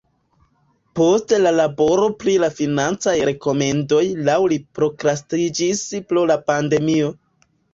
Poste la laboro pri la financaj rekomendoj laŭ li prokrastiĝis pro la pandemio.